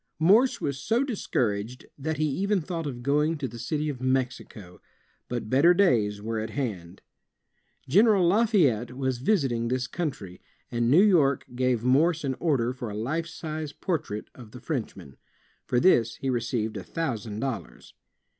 Morse was so discouraged that he even thought of going to the dty of Mexico. But better days were at hand. General Xafayette was visiting this country, and New York gave Morse an order for a life size portrait of the Frenchman. For this he received a thousand dollars.